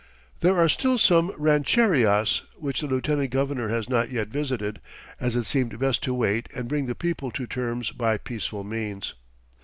There are still some rancherias which the lieutenant governor has not yet visited, as it seemed best to wait and bring the people to terms by peaceful means.